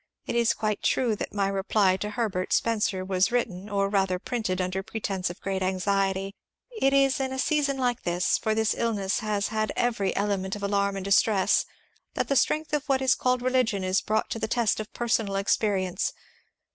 It is quite true that my reply to (Herbert) Spencer was written (or rather printed) under the presence of great anxiety. ... It is in a season like this, for this illness has had every element of alarm and distress, that the strength of what is called religion is brought to the test of personal experience.